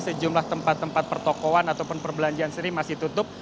sejumlah tempat tempat pertokohan ataupun perbelanjaan sendiri masih tutup